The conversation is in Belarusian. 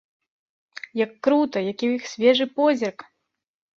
Як крута, які ў іх свежы позірк!